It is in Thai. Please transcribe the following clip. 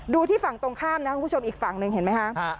ที่ฝั่งตรงข้ามนะคุณผู้ชมอีกฝั่งหนึ่งเห็นไหมคะ